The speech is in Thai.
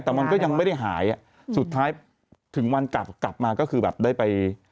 แต่มันก็ยังไม่ได้หายอ่ะสุดท้ายถึงวันกลับกลับมาก็คือแบบได้ไป